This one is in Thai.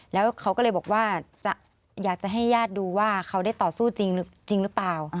แล้วเขาก็เลยบอกว่าอยากจะให้ญาติดูว่าเขาได้ต่อสู้จริงหรือเปล่า